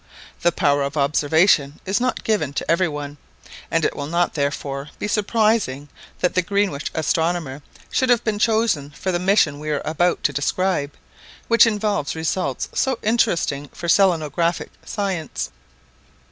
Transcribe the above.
The power of observation is not given to everyone, and it will not therefore be surprising that the Greenwich astronomer should have been chosen for the mission we are about to describe, which involved results so interesting for selenographic science.